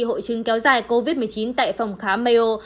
hội chứng kéo dài covid một mươi chín tại phòng khám maio